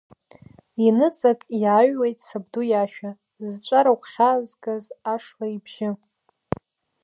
Иныҵак иааҩуеит сабду иашәа, зҿара гәхьаазгаз ашла ибжьы.